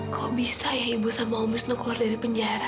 kok bisa ya ibu dan um wisnu keluar dari penjara